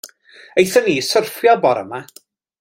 Aethon ni i syrffio bora 'ma.